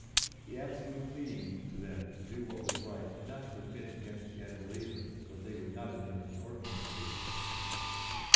The absolute pleading to them to do what was right and not to admit against the unbeliever what they would not admit in ordinary cases.